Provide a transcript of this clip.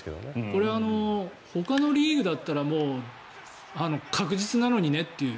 これはほかのリーグだったら確実なのにねっていう。